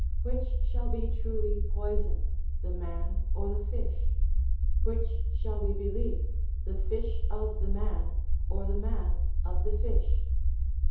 Which shall be truly poison, the man or the fish? Which shall we believe, the fish of the man, or the man of the fish?